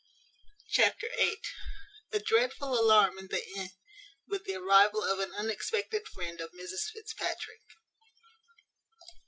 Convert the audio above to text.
Chapter viii. A dreadful alarm in the inn, with the arrival of an unexpected friend of Mrs Fitzpatrick.